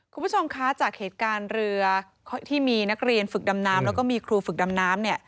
คุณผู้ชมคะจากเหตุการณ์เรือที่มีนักเรียนฝึกดำน้ำแล้วก็มีครูฝึกดำน้ำ